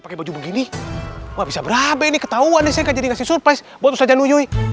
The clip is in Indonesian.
pakai baju begini bisa berapa ini ketahuan saya jadi surprise buat ustaz anuyuy